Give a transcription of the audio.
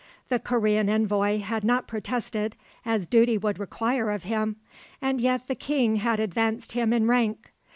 The Korean envoy had not protested, as duty would require of him, and yet the King had advanced him in rank.